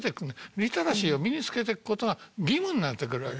リテラシーを身に付けてくことが義務になってくるわけ。